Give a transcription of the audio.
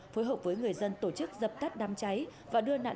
phối hợp với người dân tổ chức dập tắt đám cháy và đưa nạn nhân